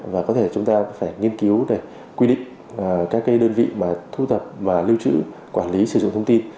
và có thể chúng ta phải nghiên cứu để quy định các cái đơn vị mà thu thập và lưu trữ quản lý sử dụng thông tin